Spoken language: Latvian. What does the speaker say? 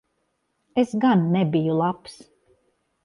Es gan nebiju labs.